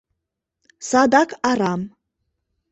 Садак арам.